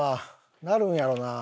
なるんやろうなあ？